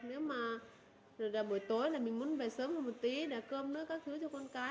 nếu mà buổi tối mình muốn về sớm hơn một tí để cơm nước các thứ cho con cái